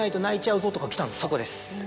そこです。